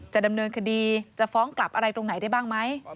จะดำเนินคดีจะฟ้องกลับอะไรตรงไหนได้บ้างไหม